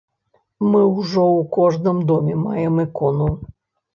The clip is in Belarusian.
Мы ўжо ў кожным доме маем ікону.